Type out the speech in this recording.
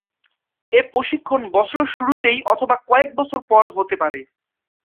এ প্রশিক্ষণ বছরের শুরুতেই অথবা কয়েক বছর পর হতে পারে।